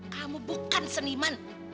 kamu bukan seniman